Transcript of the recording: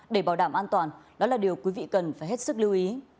để bảo đảm an toàn đó là điều quý vị cần phải hết sức lưu ý